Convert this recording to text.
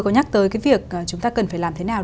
có nhắc tới cái việc chúng ta cần phải làm thế nào